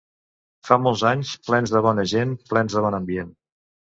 Fa molts anys, plens de bona gent, plens de bon ambient.